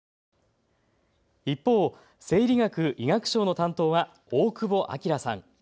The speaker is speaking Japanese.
一方、生理学・医学賞の担当は大久保明さん。